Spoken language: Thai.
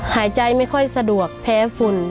หายใจไม่ค่อยสะดวกแพ้ฝุ่น